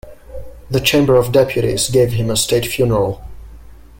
The Chamber of Deputies gave him a state funeral.